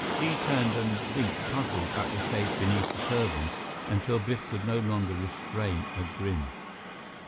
Li turned and blinked puzzled at the face beneath the turban until Biff could no longer restrain a grin.